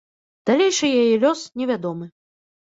Далейшы яе лёс невядомы.